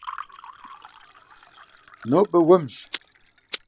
Нобэ уэмщ.